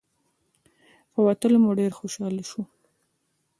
په ورتلو مو ډېر خوشاله شو.